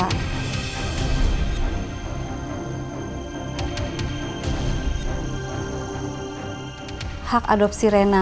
kita akan menerima hak adopsi rena